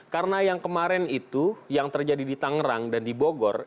karena yang kemarin itu yang terjadi di tangerang dan di bogor